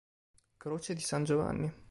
Croce di san Giovanni